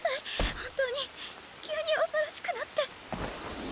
本当に急に恐ろしくなって。